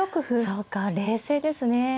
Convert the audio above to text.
そうか冷静ですね。